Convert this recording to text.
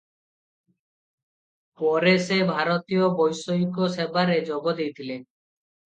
ପରେ ସେ ଭାରତୀୟ ବୈଦେଶିକ ସେବାରେ ଯୋଗଦେଇଥିଲେ ।